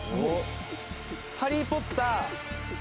『ハリー・ポッター』。